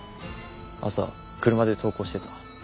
朝車で登校してた。